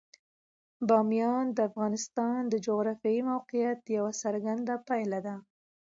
بامیان د افغانستان د جغرافیایي موقیعت یوه څرګنده پایله ده.